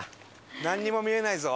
なんにも見えないぞ。